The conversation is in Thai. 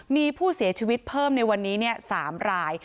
มีผู้เสียชีวิตเพิ่มในวันนี้๓ราย